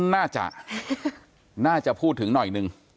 น่าจะน่าจะพูดถึงหน่อยนึง